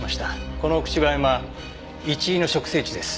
この朽葉山イチイの植生地です。